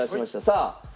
さあ。